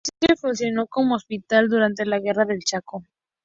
En el edificio funcionó como hospital durante la Guerra del Chaco.